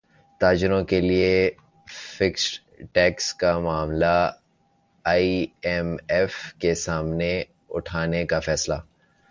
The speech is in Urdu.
تاجروں کیلئے فکسڈ ٹیکس کا معاملہ ائی ایم ایف کے سامنے اٹھانے کا فیصلہ